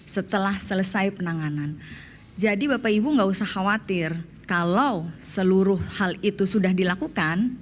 setelah selesai penanganan jadi bapak ibu gak usah khawatir kalau seluruh hal itu sudah dilakukan